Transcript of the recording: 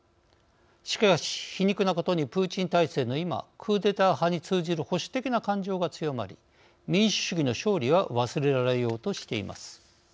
しかし、皮肉なことにプーチン体制の今クーデター派に通じる保守的な感情が強まり「民主主義の勝利」は忘れられようとしています。